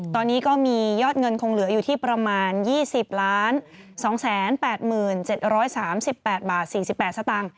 ตอนนี้ก็มียอดเงินคงเหลืออยู่ที่ประมาณ๒๐๒๘๗๓๘บาท๔๘สตางค์